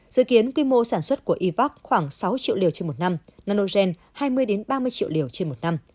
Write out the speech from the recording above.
dự kiến quy mô sản xuất của ivac khoảng sáu triệu liều trên một năm nanogen hai mươi ba mươi triệu liều trên một năm